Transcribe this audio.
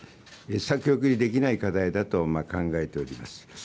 先送りできない課題だと考えております。